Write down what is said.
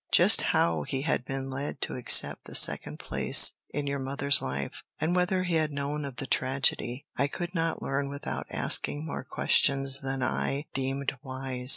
Just how he had been led to accept the second place in your mother's life, and whether he had known of the tragedy, I could not learn without asking more questions than I deemed wise.